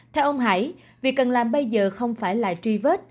theo ông hải việc cần làm bây giờ không phải là truy vết